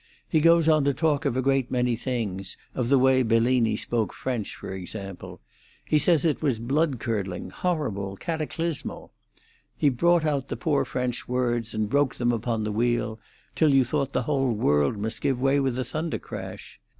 He goes on to talk of a great many things— of the way Bellini spoke French, for example. He says it was bloodcurdling, horrible, cataclysmal. He brought out the poor French words and broke them upon the wheel, till you thought the whole world must give way with a thunder crash.